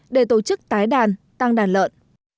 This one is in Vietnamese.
để tổ chức tái đàn tăng đàn lợn